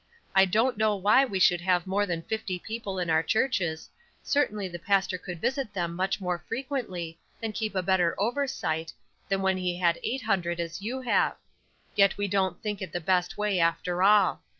I don't know why we should have more than fifty people in our churches; certainly the pastor could visit them much more frequently, and keep a better oversight, than when he had eight hundred, as you have; yet we don't think it the best way after all.